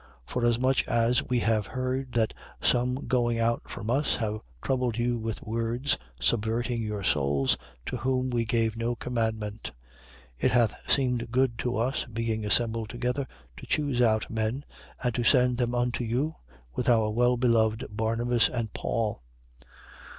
Forasmuch as we have heard that some going out from us have troubled you with words, subverting your souls, to whom we gave no commandment: 15:25. It hath seemed good to us, being assembled together, to choose out men and to send them unto you, with our well beloved Barnabas and Paul: 15:26.